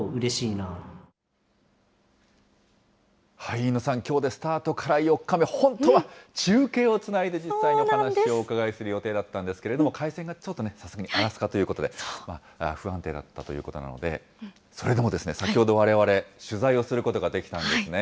飯野さん、きょうでスタートから４日目、本当は中継をつないで実際にお話をお伺いする予定だったんですけれども、回線がちょっとね、さすがにアラスカということで、不安定だったということなので、それでも先ほどわれわれ、取材をすることができたんですね。